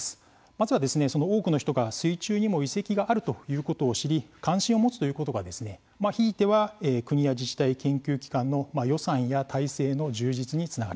まずは多くの人が水中にも遺跡があるということを知り関心を持つということがひいては国や自治体研究機関の予算や体制の充実につながります。